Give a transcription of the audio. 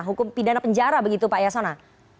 hukum pidana penjara begitu pak yasona